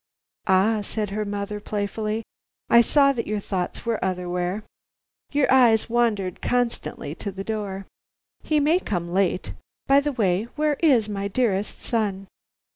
"Ah," said her mother playfully, "I saw that your thoughts were otherwhere. Your eyes wandered constantly to the door. He may come late. By the way, where is my dearest son?"